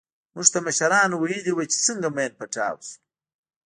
موږ ته مشرانو ويلي وو چې څنگه ماين پټاو سو.